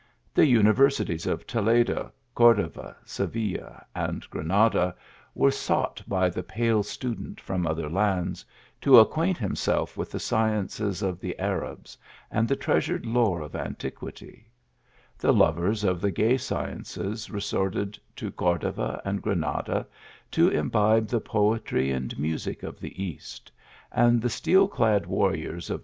The universities of Toledo, Cordova, Se /ville, and Granada were sought by the pale student from other lands, to acquaint himself with the sci ences of the Arabs, and the treasured lore of an tiquity ; the lovers of the gay sciences resorted to Cordova and Granada, to imbibe the poetry and music of the east ; and the steel clad warriors of.